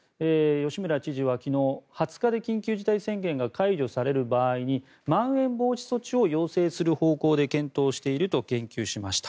吉村知事は昨日、２０日で緊急事態宣言が解除される場合にまん延防止措置を要請する方向で検討していると言及しました。